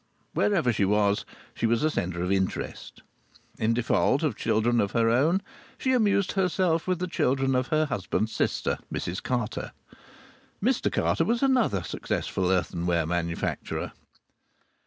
Wherever she was, she was a centre of interest! In default of children of her own she amused herself with the children of her husband's sister, Mrs Carter. Mr Carter was another successful earthenware manufacturer.